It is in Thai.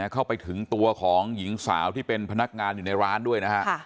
เข้าไปถึงตัวของหญิงสาวที่เป็นพนักงานอยู่ในร้านด้วยนะฮะ